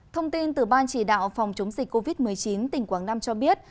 thông tin từ ban chỉ đạo phòng chống dịch covid một mươi chín tỉnh quảng nam cho biết